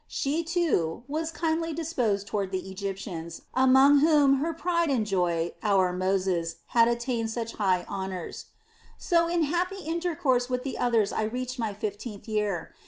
She, too, was kindly disposed toward the Egyptians, among whom her pride and joy, our Moses, had attained such high honors. "So in happy intercourse with the others I reached my fifteenth year.